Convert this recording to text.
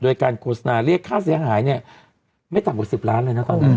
โดยการโฆษณาเรียกค่าเสียหายเนี่ยไม่ต่ำกว่า๑๐ล้านเลยนะตอนนี้